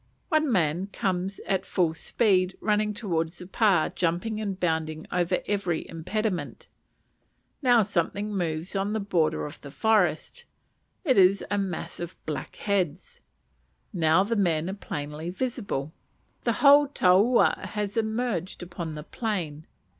One man comes at full speed, running towards the pa, jumping and bounding over every impediment. Now something moves in the border of the forest, it is a mass of black heads. Now the men are plainly visible. The whole taua has emerged upon the plain.